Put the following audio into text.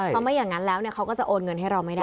เพราะไม่อย่างนั้นแล้วเขาก็จะโอนเงินให้เราไม่ได้